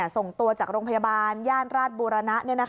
ส่งตัวจากโรงพยาบาลย่านราชบูรณะ